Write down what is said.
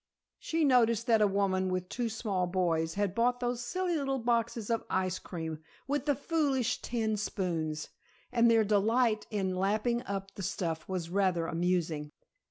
She noticed that a woman with two small boys had bought those silly little boxes of ice cream with the foolish tin spoons, and their delight in lapping up the stuff was rather amusing.